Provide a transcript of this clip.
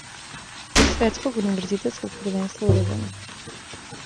Светског универзитетског првенства у рвању.